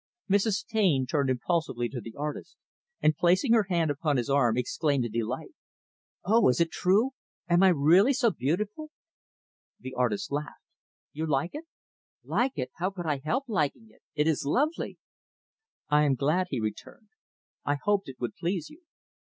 Mrs. Taine turned impulsively to the artist, and, placing her hand upon his arm, exclaimed in delight, "Oh, is it true? Am I really so beautiful?" The artist laughed. "You like it?" "Like it? How could I help liking it? It is lovely." "I am glad," he returned. "I hoped it would please you."